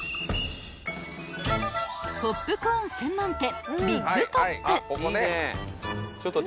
［ポップコーン専門店］